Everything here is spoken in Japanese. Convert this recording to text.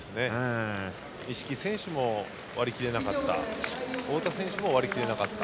一色選手も割り切れなかった太田選手も割り切れなかった。